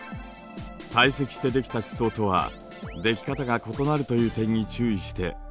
堆積してできた地層とはでき方が異なるという点に注意して考えてみましょう。